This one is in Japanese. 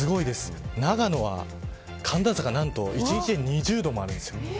長野は寒暖差がなんと１日で２０度もあるんです。